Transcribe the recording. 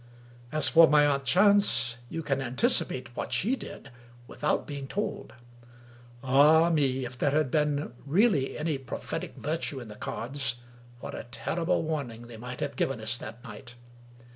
As for my aunt Chance, you can anticipate what she did, without being told. Ah, me! If there had really been any prophetic virtue in the cards, what a terrible warning they might have given us that night!